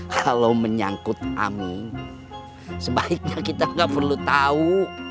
kalau menyangkut amu sebaiknya kita gak perlu tahu